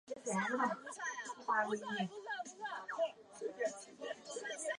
鹿獐山街道是中国湖北省黄石市铁山区下辖的一个街道。